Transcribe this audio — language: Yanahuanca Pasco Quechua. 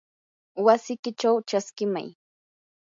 wasikichaw chaskimay.